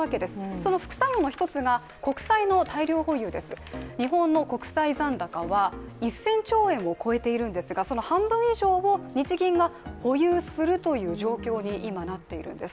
その副作用の一つが国債の大量保有です、日本の国債残高は１０００兆円を超えているんですがその半分以上を日銀が保有するという状況に今なっているんです。